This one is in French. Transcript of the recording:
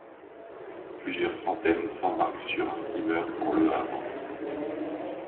Plusieurs centaines s'embarquent sur un steamer pour Le Havre.